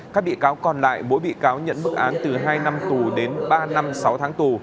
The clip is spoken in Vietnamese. các bị cáo còn lại mỗi bị cáo nhận bức án từ hai năm tù đến ba năm sáu tháng tù